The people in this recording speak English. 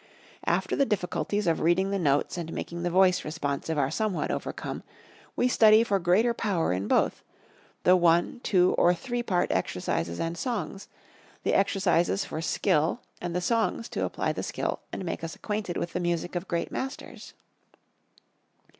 After the difficulties of reading the notes and making the voice responsive are somewhat overcome, we study for greater power in both, the one , two , or three part exercises and songs; the exercises for skill and the songs to apply the skill, and make us acquainted with the music of great masters.